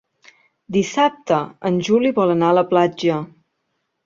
Dissabte en Juli vol anar a la platja.